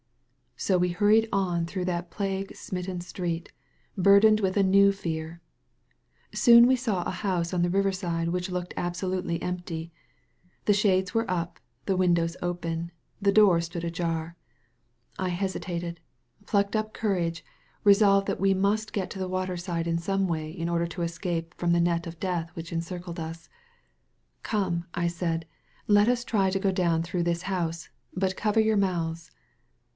So we hurried on through that plague smitten street, burdened with a new fear. Soon we saw a house on the riverside which looked absolutely empty. The shades were up, the windows open, the door stood ajar. I hesitated; plucked up cour age; resolved that we must get to the waterside in some way in order to escape from the net of death which encircled us. "Come," I said, "let us try to go down through this house. But cover your mouths."